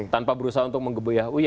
tanpa berusaha untuk mengebuyau